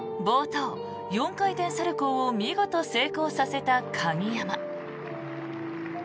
冒頭、４回転サルコウを見事成功させた鍵山。